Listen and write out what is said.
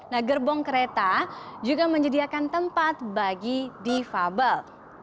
nah gerbong kereta juga menyediakan tempat bagi defable